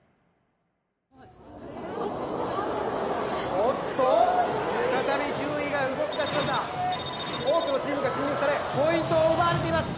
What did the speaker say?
・おっと再び順位が動きだしました多くのチームが侵入されポイントを奪われています